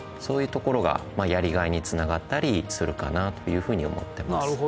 そういうところがやりがいにつながったりするかなというふうに思ってます。